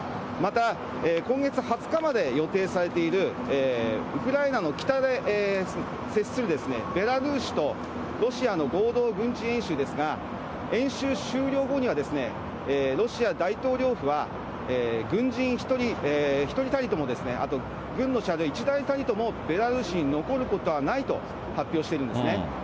また、今月２０日まで予定されているウクライナの北で接するベラルーシとロシアの合同軍事演習ですが、演習終了後にはですね、ロシア大統領府は、軍人１人たりとも、あと、軍の車両１台たりともベラルーシに残ることはないと発表しているんですね。